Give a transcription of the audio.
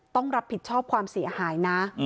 ต้องรับผิดชอบความเสียหายนะ